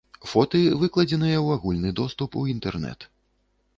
Фоты выкладзеныя ў агульны доступ у інтэрнэт.